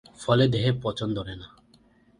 ফলে দেহে পচন ধরেনা।